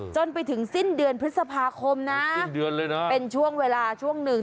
จนไปถึงสิ้นเดือนพฤษภาคมนะเป็นช่วงเวลาช่วงหนึ่ง